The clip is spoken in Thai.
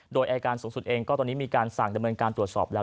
โดยอายการสูงสุดเองก็ตอนนี้มีการสั่งดำเนินการตรวจสอบแล้ว